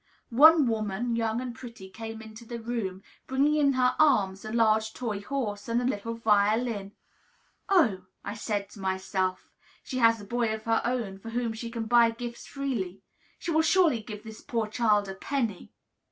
One woman, young and pretty, came into the room, bringing in her arms a large toy horse, and a little violin. "Oh," I said to myself, "she has a boy of her own, for whom she can buy gifts freely. She will surely give this poor child a penny."